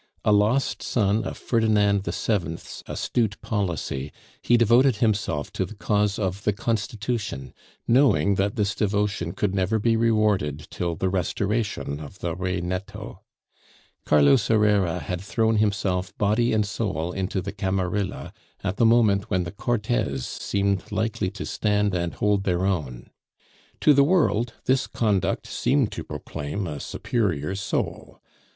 A lost son of Ferdinand VII.'s astute policy, he devoted himself to the cause of the constitution, knowing that this devotion could never be rewarded till the restoration of the Rey netto. Carlos Herrera had thrown himself body and soul into the Camarilla at the moment when the Cortes seemed likely to stand and hold their own. To the world this conduct seemed to proclaim a superior soul.